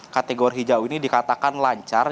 kategori hijau ini dikatakan lancar